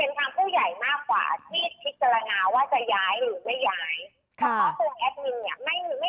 เพราะตรงแอดมินเนี่ยไม่สามารถที่จะไปตัดย้ายใครได้